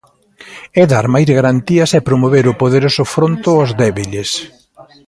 É dar máis garantías e promover o poderoso fronte aos débiles.